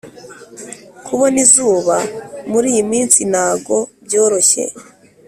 Kubona izuba muriyiminsi nago byoroshye